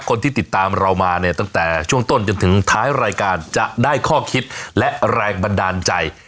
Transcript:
คนที่ติดตามเรามาเนี่ยตั้งแต่ช่วงต้นจนถึงท้ายรายการจะได้ข้อคิดและแรงบันดาลใจ